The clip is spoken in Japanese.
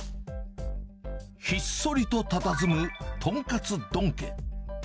ひっそりとたたずむ、とんかつ丼家。